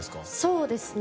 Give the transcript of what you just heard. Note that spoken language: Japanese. そうですね